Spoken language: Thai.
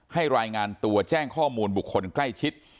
รายงานตัวแจ้งข้อมูลบุคคลใกล้ชิด